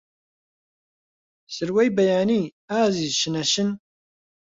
سروەی بەیانی، ئازیز شنە شن